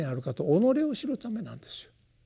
己を知るためなんですよ。